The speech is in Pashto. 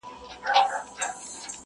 د هر قام چي يو ځل وېره له دښمن سي!.